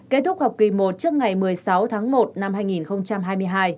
kết thúc học kỳ một trước ngày một mươi sáu tháng một năm hai nghìn hai mươi hai